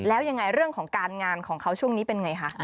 แล้วยังไงเรื่องของการงานของเขาช่วงนี้เป็นไงคะ